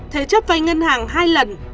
thế chấp vay ngân hàng hai lần